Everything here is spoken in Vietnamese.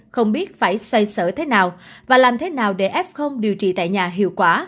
không biết phải xoay sở thế nào và làm thế nào để f điều trị tại nhà hiệu quả